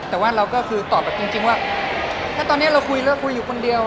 แต่ว่าเราก็คือตอบแบบจริงว่าถ้าตอนนี้เราคุยแล้วคุยอยู่คนเดียว